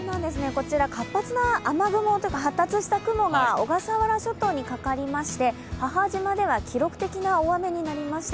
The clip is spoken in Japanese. こちら、発達した雲が小笠原諸島にかかりまして母島では記録的な大雨になりました。